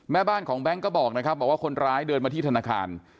แม่บ้านของแบงก์ก็บอกว่าคนร้ายเดินมาที่ธนาคาร